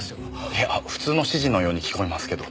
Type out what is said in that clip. いや普通の指示のように聞こえますけど。